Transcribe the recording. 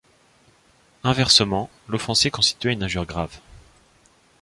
Inversement, l'offenser constituait une injure grave.